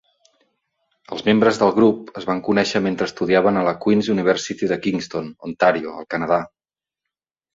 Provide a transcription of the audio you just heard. Els membres del grup es van conèixer mentre estudiaven a la Queen's University de Kingston (Ontario), al Canadà.